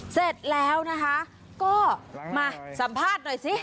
เสร็จแล้วนะคะก็มาสัมภาษณ์หน่อยสิ